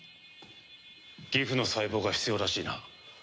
ギフの細胞が必要らしいな。